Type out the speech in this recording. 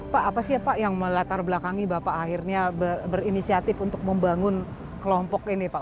pak apa sih pak yang melatar belakangi bapak akhirnya berinisiatif untuk membangun kelompok ini pak